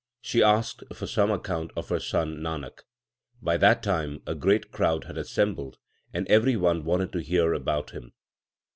She asked for some account of her son Nanak. By that time a great crowd had assembled, and every one wanted to hear about him.